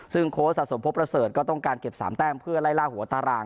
ซึ่งโค้ชสะสมพบประเสริฐก็ต้องการเก็บ๓แต้มเพื่อไล่ล่าหัวตาราง